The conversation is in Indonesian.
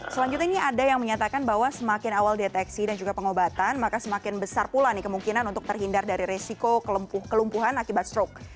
selanjutnya ini ada yang menyatakan bahwa semakin awal deteksi dan juga pengobatan maka semakin besar pula kemungkinan untuk terhindar dari resiko kelumpuhan akibat stroke